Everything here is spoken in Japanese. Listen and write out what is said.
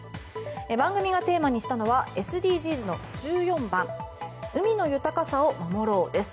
番組がテーマにしたのはＳＤＧｓの１４番「海の豊かさを守ろう」です。